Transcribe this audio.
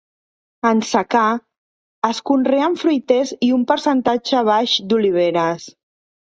En secà es conreen fruiters i un percentatge baix d'oliveres.